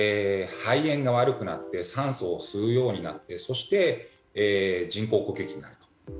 肺炎が悪くなって酸素を吸うようになってそして人工呼吸器になる。